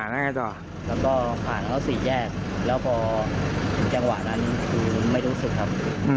แล้วก็ผ่านเข้าสี่แยกแล้วพอจังหวะนั้นคือไม่รู้สึกครับ